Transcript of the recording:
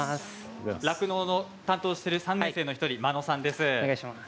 酪農の担当している３年生の１人眞野さんです。